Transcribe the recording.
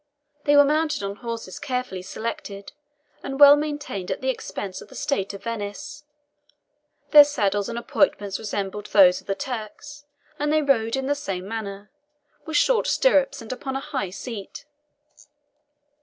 They were mounted on horses carefully selected, and well maintained at the expense of the State of Venice; their saddles and appointments resembled those of the Turks, and they rode in the same manner, with short stirrups and upon a high seat.